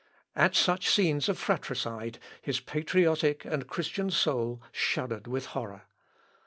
At such scenes of fratricide his patriotic and Christian soul shuddered with horror.